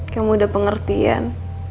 kamu udah pengertian